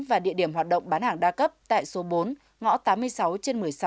và địa điểm hoạt động bán hàng đa cấp tại số bốn ngõ tám mươi sáu trên một mươi sáu